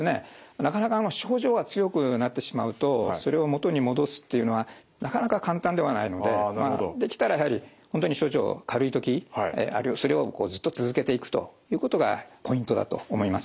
なかなか症状が強くなってしまうとそれを元に戻すっていうのはなかなか簡単ではないのでできたらやはり本当に症状軽い時それをずっと続けていくということがポイントだと思います。